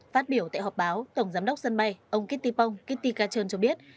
phát biểu tại họp báo tổng giám đốc sân bay ông kitty pong kitty kachon cho biết